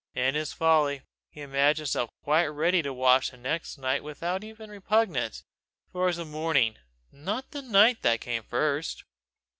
In his folly he imagined himself quite ready to watch the next night without even repugnance for it was the morning, not the night, that came first!